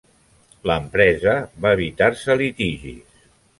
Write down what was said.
L'empresa va evitar-se litigis.